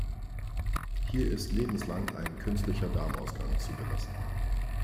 Hier ist lebenslang ein künstlicher Darmausgang zu belassen.